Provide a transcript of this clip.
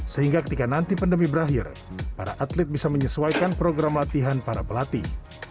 sehingga ketika nanti pandemi berakhir para atlet bisa menyesuaikan program latihan para pelatih